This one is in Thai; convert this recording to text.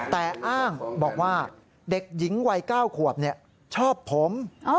แต่อ้างบอกว่าเด็กหญิงวัย๙ขวบชอบผม